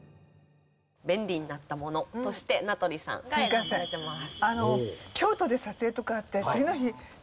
便利になったものとして名取さんが選ばれています。